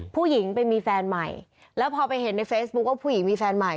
ผู้หญิงไปมีแฟนใหม่แล้วพอไปเห็นในเฟซบุ๊คว่าผู้หญิงมีแฟนใหม่